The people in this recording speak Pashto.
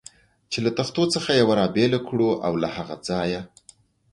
چې له تختو څخه یوه را بېله کړو او له هغه ځایه.